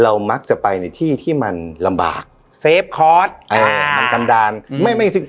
เรามักจะไปในที่ที่มันลำบากเซฟคอร์สเออมันกำดานไม่ไม่ใช่